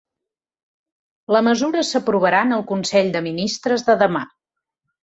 La mesura s’aprovarà en el consell de ministres de demà.